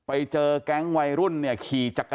อุ๊ยยังใจเย็นไปอีก